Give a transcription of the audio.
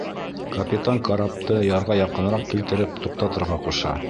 Капитан карапты ярға яҡыныраҡ килтереп туҡтатырға ҡуша.